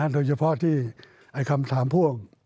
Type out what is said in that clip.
โดยเฉพาะที่คำถามพ่วง